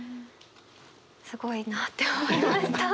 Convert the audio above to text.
すごいなって思いました。